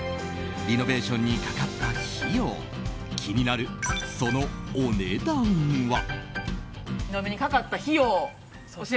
リノベーションにかかった費用気になる、そのお値段は。